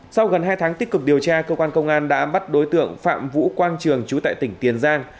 sau gần hai tháng tích cực điều tra cơ quan công an đã bắt đối tượng phạm vũ quang trường trú tại tỉnh tiền giang